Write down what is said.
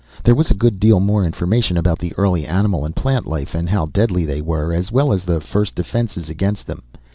There was a good deal more information about the early animal and plant life and how deadly they were, as well as the first defenses against them.